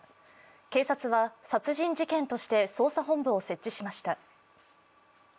警察は殺人事件として捜査本部を設置しました。